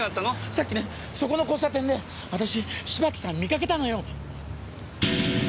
さっきねそこの交差点で私芝木さん見かけたのよ。